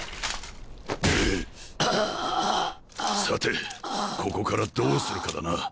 さてここからどうするかだな。